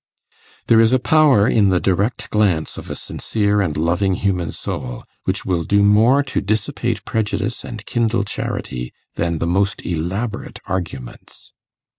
There is a power in the direct glance of a sincere and loving human soul, which will do more to dissipate prejudice and kindle charity than the most elaborate arguments.